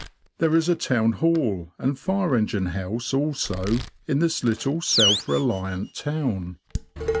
There is a Town Hall and fire engine house also in this little self reliant town.